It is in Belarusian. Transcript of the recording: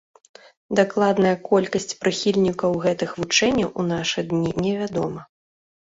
Дакладная колькасць прыхільнікаў гэтых вучэнняў у нашы дні не вядома.